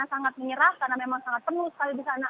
karena sangat menyerah karena memang sangat penuh sekali di sana